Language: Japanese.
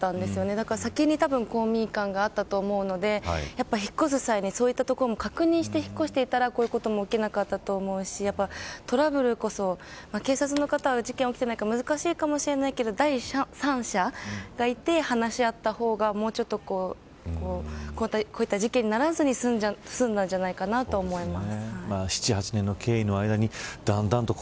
だから、先にたぶん公民館があったと思うので引っ越す際にそういったところも確認して引っ越していればこういうことにもならなかったと思うしトラブルこそ、警察の方は事件が起きないから難しいかもしれないけど第３者がいて、話し合った方がもうちょっと、こういった事件にならずに済んだんじゃないかなと思います。